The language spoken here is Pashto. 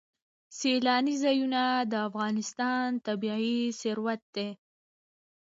سیلانی ځایونه د افغانستان طبعي ثروت دی.